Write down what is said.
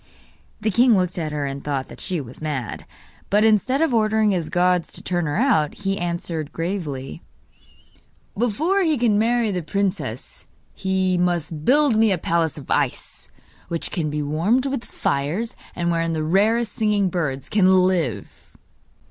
The king looked at her and thought that she was mad; but, instead of ordering his guards to turn her out, he answered gravely: 'Before he can marry the princess he must build me a palace of ice, which can be warmed with fires, and wherein the rarest singing birds can live!